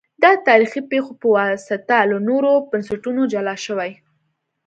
دا د تاریخي پېښو په واسطه له نورو بنسټونو جلا شوي